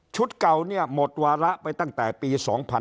เก่าเนี่ยหมดวาระไปตั้งแต่ปี๒๕๕๙